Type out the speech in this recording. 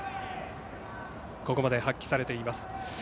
ここまで発揮されています。